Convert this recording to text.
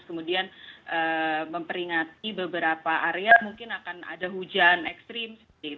kemudian memperingati beberapa area mungkin akan ada hujan ekstrim